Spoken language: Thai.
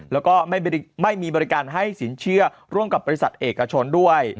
แล้วก็ไม่มีบริการให้สินเชื่อร่วมกับบริษัทเอกชนด้วย